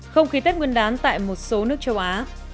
không khí tết nguyên đán tại một số nước châu á